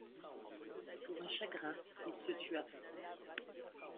Pour un chagrin, il se tua.